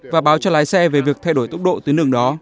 và báo cho lái xe về việc thay đổi tốc độ tới nửa đó